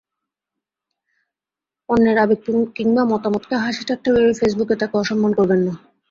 অন্যের আবেগ কিংবা মতামতকে হাসিঠাট্টা ভেবে ফেসবুকে তাকে অসম্মান করবেন না।